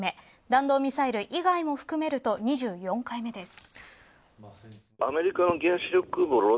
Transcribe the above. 弾道ミサイル以外を含めると２４回目です。